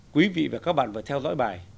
quý vị và các bạn vừa theo dõi bài